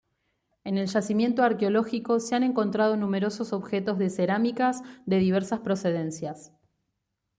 En el yacimiento arqueológico se han encontrado numerosos objetos de cerámicas de diversas procedencias.